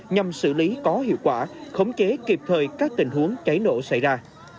nhằm xử lý có hiệu quả khống chế kịp thời các tình huống cháy nổ xảy ra